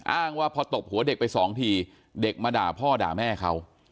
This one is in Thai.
อ้างว่าพอตบหัวเด็กไปสองทีเด็กมาด่าพ่อด่าแม่เขา